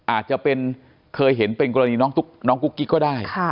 อาจจะเป็นเคยเห็นเป็นกรณีน้องกุ๊กกิ๊กก็ได้